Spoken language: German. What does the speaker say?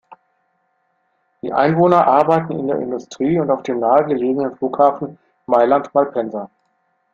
Die Einwohner arbeiten in der Industrie und auf dem nahe gelegenen Flughafen Mailand-Malpensa.